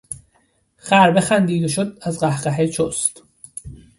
خر بخندید و شد از قهقهه چست